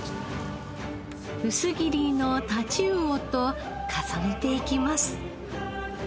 薄切りの太刀魚と重ねていきます。